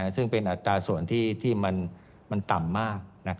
ซึ่งเป็นอัตราส่วนที่มันต่ำมาก